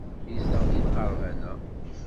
Yezdeɣ deg lqerban-a.